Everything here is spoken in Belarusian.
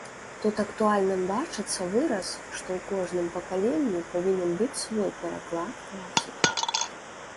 Тут актуальным бачыцца выраз, што ў кожным пакаленні павінен быць свой пераклад класікі.